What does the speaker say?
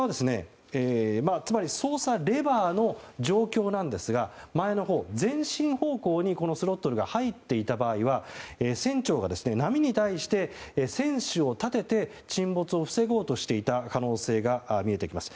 つまり、操作レバーの状況なんですが前のほう、前進方向にこのスロットルが入っていた場合は船長が波に対して船首を立てて沈没を防ごうとしていた可能性が見えてきます。